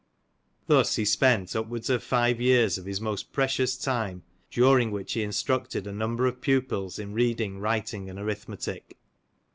Thus, he spent upwards of five years of his most precious time, during which he instructed a number of pupils in reading, writing, and arithmetic.